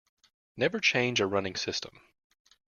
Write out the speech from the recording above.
Never change a running system.